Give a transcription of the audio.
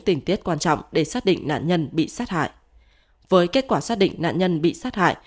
tình tiết quan trọng để xác định nạn nhân bị sát hại với kết quả xác định nạn nhân bị sát hại